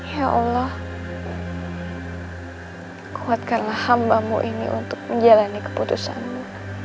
ya allah kuatkanlah hambamu ini untuk menjalani keputusanmu